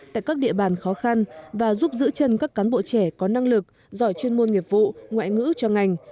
tại các địa bàn khó khăn và giúp giữ chân các cán bộ trẻ có năng lực giỏi chuyên môn nghiệp vụ ngoại ngữ cho ngành